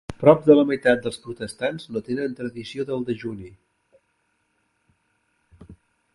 Prop de la meitat dels protestants no tenen la tradició del dejuni.